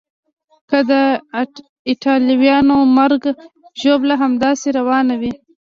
که د ایټالویانو مرګ ژوبله همداسې روانه وي.